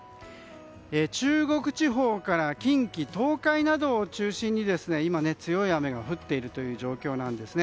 中国地方から近畿・東海などを中心に今、強い雨が降っている状況です。